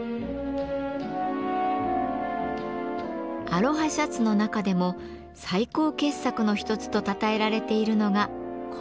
アロハシャツの中でも最高傑作の一つとたたえられているのがこちら。